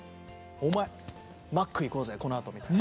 「お前マック行こうぜこのあと」みたいな。